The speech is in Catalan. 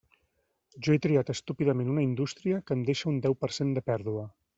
Jo he triat estúpidament una indústria que em deixa un deu per cent de pèrdua.